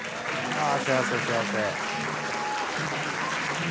ああ幸せ幸せ。